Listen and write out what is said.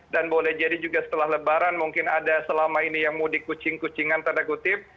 dan boleh jadi juga setelah lebaran mungkin ada selama ini yang mudik kucing kucingan tanda kutip